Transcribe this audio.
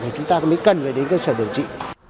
thì chúng ta mới cần phải đến cơ sở điều trị